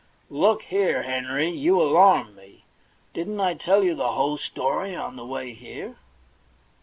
'Look here, Henry, you alarm me. Didn't I tell you the whole story on the way here